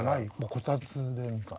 こたつでみかん。